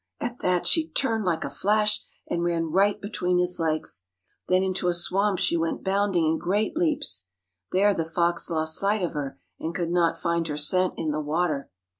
At that she turned like a flash, and ran right between his legs. Then into a swamp she went bounding in great leaps. There the fox lost sight of her, and could not find her scent in the water.